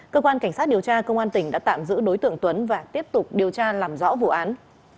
cơ quan cảnh sát điều tra công an tỉnh đã tạm giữ đối tượng tuấn và tiếp tục điều tra làm rõ vụ án